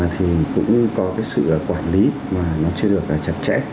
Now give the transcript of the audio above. thì cũng có cái sự quản lý mà nó chưa được chặt chẽ